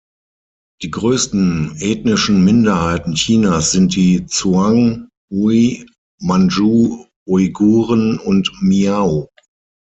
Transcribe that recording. Die größten ethnischen Minderheiten Chinas sind die Zhuang, Hui, Manju, Uiguren und Miao.